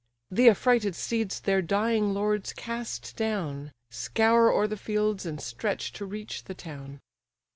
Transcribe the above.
The affrighted steeds their dying lords cast down, Scour o'er the fields, and stretch to reach the town.